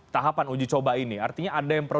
tahapan uji coba ini artinya ada yang perlu